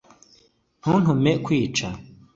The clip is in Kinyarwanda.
Ntuntume nkwica